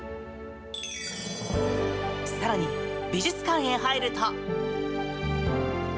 更に、美術館へ入ると。